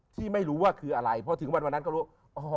ที่ไม่รู้ว่าคืออะไรพอถึงวันนั้นก็รู้